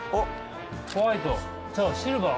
ホワイトちゃうわシルバー。